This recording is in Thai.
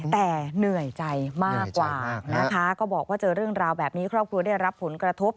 แต่เหนื่อยใจมากกว่านะคะก็บอกว่าเจอเรื่องราวแบบนี้ครอบครัวได้รับผลกระทบ